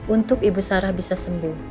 untuk ibu sarah bisa sembuh